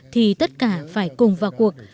thì tất cả phải cùng vào cuộc